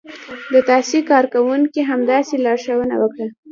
د تاسې کارکونکو همداسې لارښوونه وکړه.